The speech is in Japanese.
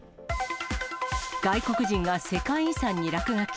外国人が世界遺産に落書き。